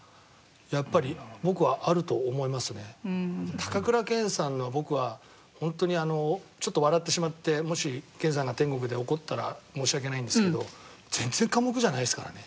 高倉健さんが僕はホントにあのちょっと笑ってしまってもし健さんが天国で怒ったら申し訳ないんですけど全然寡黙じゃないですからね。